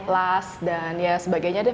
las dan ya sebagainya deh